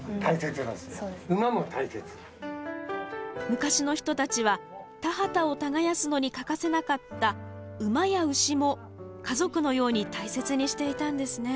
昔の人たちは田畑を耕すのに欠かせなかった馬や牛も家族のように大切にしていたんですね。